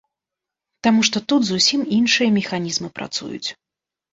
Таму што тут зусім іншыя механізмы працуюць.